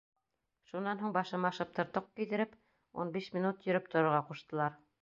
Шунан һуң башыма шыптыр тоҡ кейҙереп, ун биш минут йөрөп торорға ҡуштылар.